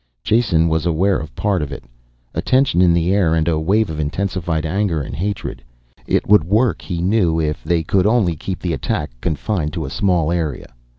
Jason was aware of part of it. A tension in the air and a wave of intensified anger and hatred. It would work, he knew, if they could only keep the attack confined to a small area.